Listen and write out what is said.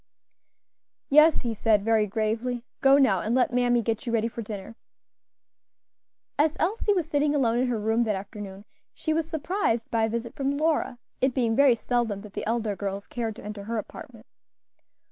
"Yes," he said, very gravely. "Go now and let mammy get you ready for dinner." As Elsie was sitting alone in her room that afternoon she was surprised by a visit from Lora; it being very seldom that the elder girls cared to enter her apartment.